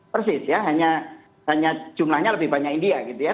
persis ya hanya jumlahnya lebih banyak india gitu ya